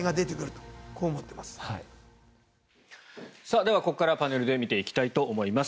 ではここからパネルで見ていきたいと思います。